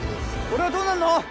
俺はどうなるの？